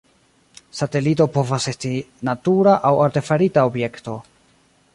Satelito povas esti natura aŭ artefarita objekto.